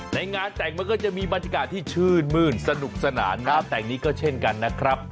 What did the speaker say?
ในงานแต่งมันก็จะมีบรรยากาศที่ชื่นมื้นสนุกสนานงานแต่งนี้ก็เช่นกันนะครับ